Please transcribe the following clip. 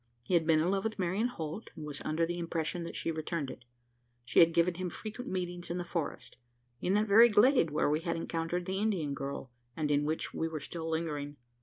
He had been in love with Marian Holt; and was under the impression that she returned it. She had given him frequent meetings in the forest in that very glade where we had encountered the Indian girl, and in which we were still lingering.